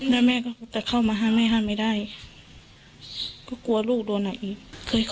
แล้วแม่ก็แต่เข้ามาห้ามให้ห้ามไม่ได้ก็กลัวลูกโดนอ่ะอีกเคยขอ